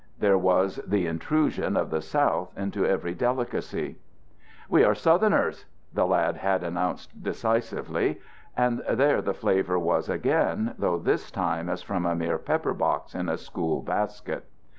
There was the intrusion of the South into every delicacy. "We are Southerners," the lad had announced decisively; and there the flavor was again, though this time as from a mere pepper box in a school basket.